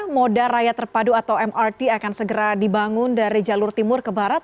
moda raya terpadu atau mrt akan segera dibangun dari jalur timur ke barat